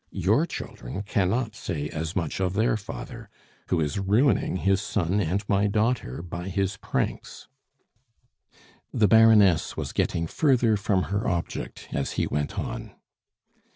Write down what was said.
Your children cannot say as much of their father, who is ruining his son and my daughter by his pranks " The Baroness was getting further from her object as he went on.